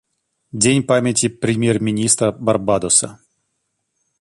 Дань памяти премьер-министра Барбадоса.